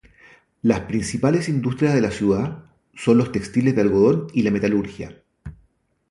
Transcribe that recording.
Las principales industrias de la ciudad son los textiles de algodón y la metalurgia.